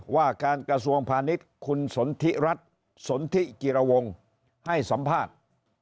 ว่าการกระทรวงพาณิชย์คุณสนทิรัฐสนทิกิรวงให้สัมภาษณ์